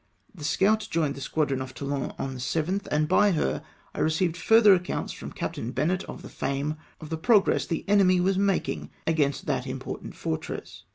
The Scout joined the squadron off Toulon on the 7th, and by her I received further accounts from Captain Bennett, of the Fame, of the progress the enemy was making against that important fortress.